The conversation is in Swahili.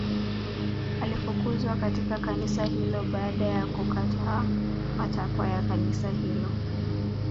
Alifukuzwa katika kanisa hilo baada ya kukataa matakwa ya kanisa hilo